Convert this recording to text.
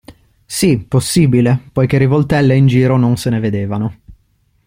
Sì, possibile, poiché rivoltelle in giro non se ne vedevano.